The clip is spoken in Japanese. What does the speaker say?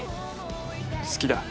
「好きだ」